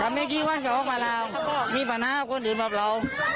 ถ้าไม่คิดว่าจะออกมาแล้วมีปัญหาคนอื่นแบบเรา